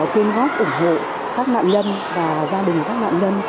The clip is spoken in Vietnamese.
quyên góp ủng hộ các nạn nhân và gia đình các nạn nhân